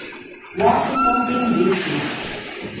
Washington tem dito